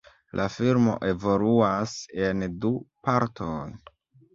La filmo evoluas en du partoj.